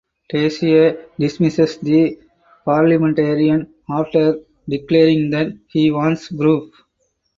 Teyssier dismisses the parliamentarian after declaring that he wants proof.